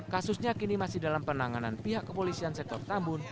kasusnya kini masih dalam penanganan pihak kepolisian sektor tambun